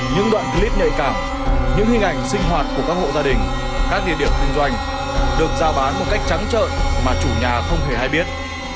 những đoạn clip nhạy cảm những hình ảnh sinh hoạt của các hộ gia đình các địa điểm kinh doanh được giao bán một cách trắng trợ mà chủ nhà không hề hay biết